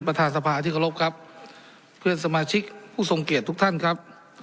ประธานสภาที่เคารพครับเพื่อนสมาชิกผู้ทรงเกียจทุกท่านครับ